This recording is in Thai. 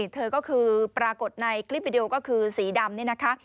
เธอก็คือปรากฏในคลิปวิดีโอก็คือสีดำนี่นะคะ